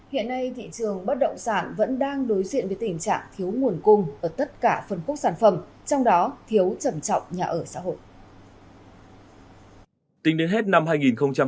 hiện nay thị trường bất động sản vẫn đang đối diện với tình trạng thiếu nguồn cung ở tất cả phân khúc sản phẩm trong đó thiếu trầm trọng nhà ở xã hội